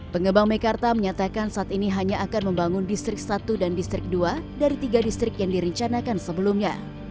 pengembang mekarta menyatakan saat ini hanya akan membangun distrik satu dan distrik dua dari tiga distrik yang direncanakan sebelumnya